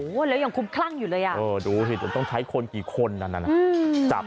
ได้แล้วยังขุมครั่งอยู่เลยอ่ะดูสิท่านต้องใช้คนกี่คนอ่ะนะออห์จับ